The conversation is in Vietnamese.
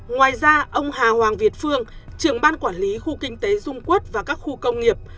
ngoài ra ông hà hoàng việt phương trưởng ban quản lý khu kinh tế dung quốc và các khu công nghiệp